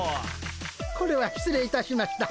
これは失礼いたしました。